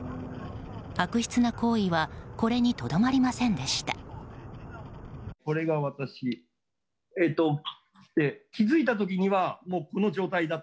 悪質な行為はこれにとどまりませんでした。